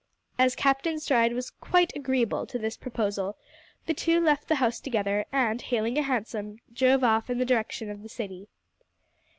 As Captain Stride was "quite agreeable" to this proposal, the two left the house together, and, hailing a hansom, drove off in the direction of the City.